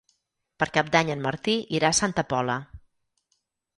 Per Cap d'Any en Martí irà a Santa Pola.